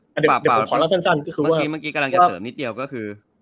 เดี๋ยวผมขอเล่าสั้นก็คือเมื่อกี้เมื่อกี้กำลังจะเสริมนิดเดียวก็คือ